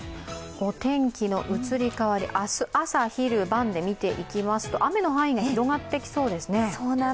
お天気の移り変わり、明日、朝昼晩で見ていきますと雨の範囲が広がってきそうですね。